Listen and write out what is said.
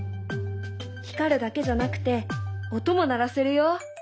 光るだけじゃなくて音も鳴らせるよ。